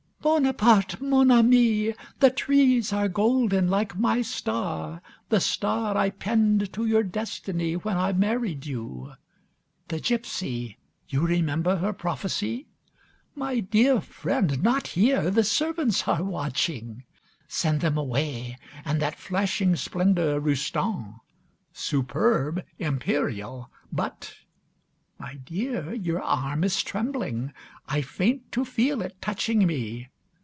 "Bonaparte, mon ami, the trees are golden like my star, the star I pinned to your destiny when I married you. The gypsy, you remember her prophecy! My dear friend, not here, the servants are watching; send them away, and that flashing splendour, Roustan. Superb Imperial, but.. . My dear, your arm is trembling; I faint to feel it touching me!